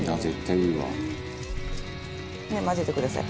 はい、混ぜてください。